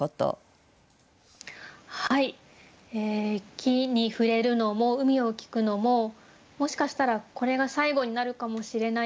樹に触れるのも海を聴くのももしかしたらこれが最後になるかもしれない。